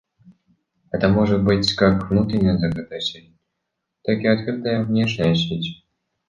Это может быть как внутренняя закрытая сеть, так и открытая внешняя сеть